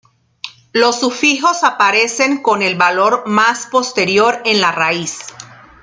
Los sufijos aparecen con el valor más posterior en la raíz.